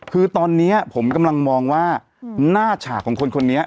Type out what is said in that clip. คือตอนนี้ผมกำลังมองว่าหน้าฉากของคนคนนี้